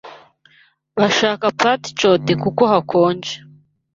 bashaka plat chaud kuko hakonje